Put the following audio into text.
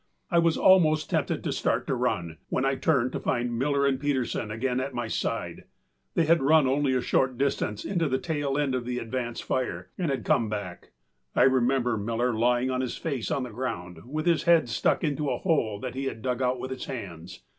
I was almost tempted to start to run, when I turned to find Miller and Peterson again at my side. They had run only a short distance into the tail end of the advance fire and had come back. I remember Miller lying on his face on the ground with his head stuck into a hole that he had dug out with his hands.